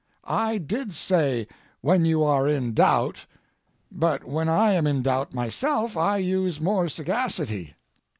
I did say, "When you are in doubt," but when I am in doubt myself I use more sagacity.